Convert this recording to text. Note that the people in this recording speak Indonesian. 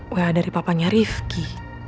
wah dari papanya rifqi